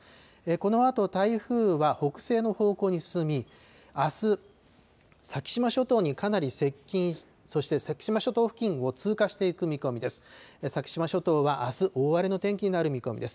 このあと台風は北西の方向に進み、あす、先島諸島にかなり接近、そして先島諸島付近を通過していく見込みです。